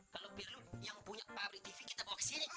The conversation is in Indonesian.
kalau biru yang punya pabrik tv kita bawa ke sini